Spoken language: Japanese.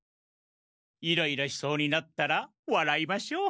イライラしそうになったらわらいましょう！